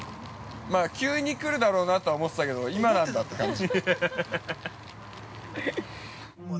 ◆急に来るだろうなとは思ってたけど、今なんだって感じ。